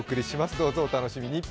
どうぞお楽しみに。